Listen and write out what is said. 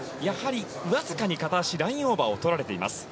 わずかに片足ラインオーバーをとられています。